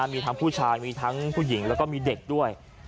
มีทั้งผู้ชายมีทั้งผู้หญิงแล้วก็มีเด็กด้วย